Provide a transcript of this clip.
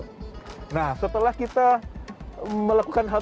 nah setelah kita melakukan hal hal yang berbeda dan berbeda dengan keinginan kita